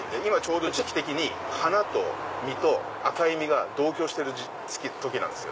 今時期的に花と実と赤い実が同居してる時なんですよ。